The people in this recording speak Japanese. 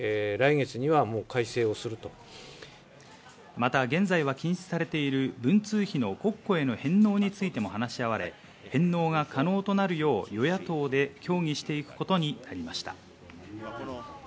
また現在は禁止されている文通費の国庫への返納についても話し合われ、返納が可能となるよう与野党で協議していくことになりました。